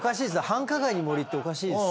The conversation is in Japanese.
繁華街に森っておかしいですよ。